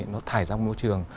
nó thải ra môi trường